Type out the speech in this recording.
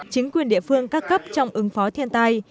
chính quyền địa phương các cấp trong ứng phó thiên tai